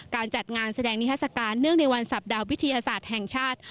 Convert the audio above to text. การจัดงานนิทรการติดลองในวันสัปดาห์วิทยาศาสตร์แห่งชาติ